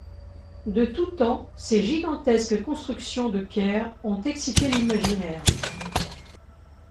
De tout temps, ces gigantesques constructions de pierre ont excité l'imaginaire.